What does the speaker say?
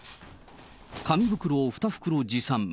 紙袋を２袋持参。